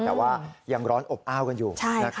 แต่ว่ายังร้อนอบอ้าวกันอยู่